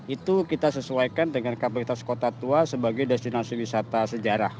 itu kita sesuaikan dengan kapasitas kota tua sebagai destinasi wisata sejarah